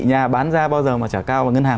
nhà bán ra bao giờ mà trả cao và ngân hàng